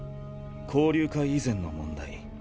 交流会以前の問題。